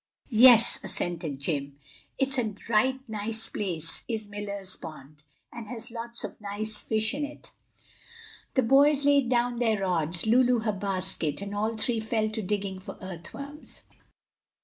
"Yes," assented Jim, "it's a right nice place, is Miller's Pond, and has lots of nice fish in it." The boys laid down their rods, Lulu her basket, and all three fell to digging for earth worms.